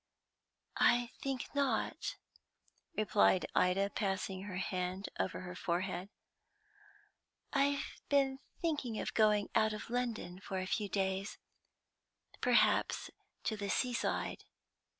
"I think not," replied Ida, passing her hand over her forehead. "I've been thinking of going out of London for a few days, perhaps to the seaside."